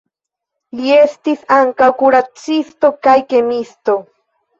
Li estis ankaŭ kuracisto kaj kemiisto.